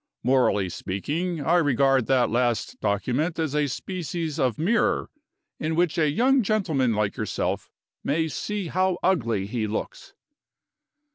Morally speaking, I regard that last document as a species of mirror, in which a young gentleman like yourself may see how ugly he looks."